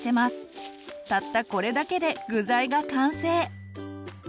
たったこれだけで具材が完成。